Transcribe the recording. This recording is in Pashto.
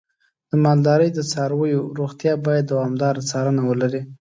د مالدارۍ د څارویو روغتیا باید دوامداره څارنه ولري.